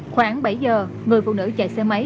khoảng bảy giờ người phụ nữ chạy xe máy